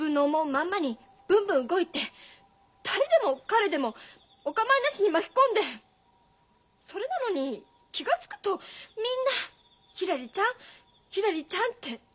まんまにブンブン動いて誰でも彼でもお構いなしに巻き込んでそれなのに気が付くとみんな「ひらりちゃん」「ひらりちゃん」って。